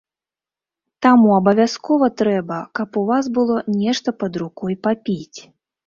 Таму абавязкова трэба, каб у вас было нешта пад рукой папіць.